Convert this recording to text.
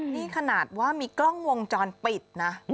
นี่ขนาดว่ามีกล้องวงจรปิดนะ